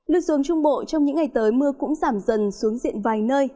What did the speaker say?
lưu xuống trung bộ trong những ngày tới mưa cũng giảm dần xuống diện vài nơi